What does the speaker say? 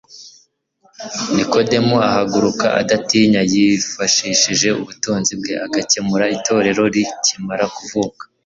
Nikodemu ahaguruka adatinya. Yifashishije ubutunzi bwe agakenura itorero rikimara kuvuka,